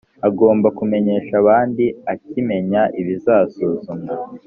agomba kumenyesha abandi akimenya ibizasuzumwa